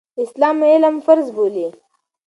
اسلام علم فرض بولي.